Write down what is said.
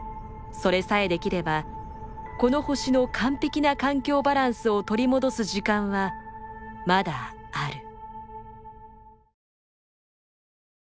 それさえできればこの星の完璧な環境バランスを取り戻す時間はまだある。